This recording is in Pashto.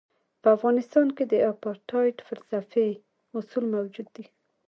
په افغانستان کې د اپارټایډ فلسفي اصول موجود دي.